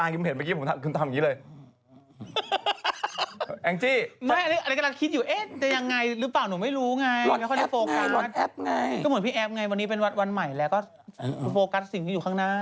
ก็เหมือนพี่แอฟไงวันนี้เป็นวันใหม่แล้วก็โฟกัสสิ่งที่อยู่ข้างหน้า